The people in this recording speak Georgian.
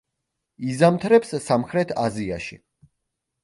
იზამთრებს სამხრეთ აზიაში.